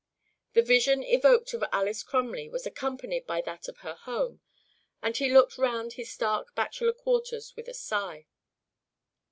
The vision evoked of Alys Crumley was accompanied by that of her home, and he looked round his stark bachelor quarters with a sigh.